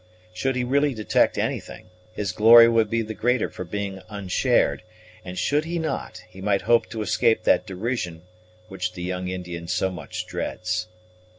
Should he really detect anything, his glory would be the greater for being unshared; and should he not, he might hope to escape that derision which the young Indian so much dreads.